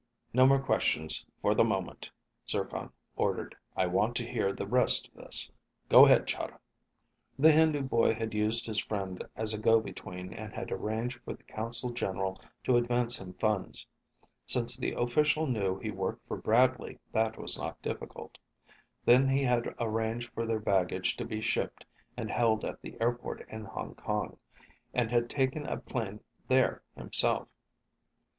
"No more questions for the moment," Zircon ordered. "I want to hear the rest of this. Go ahead, Chahda." The Hindu boy had used his friend as a go between and had arranged for the consul general to advance him funds. Since the official knew he worked for Bradley, that was not difficult. Then he had arranged for their baggage to be shipped and held at the airport in Hong Kong, and had taken a plane there himself.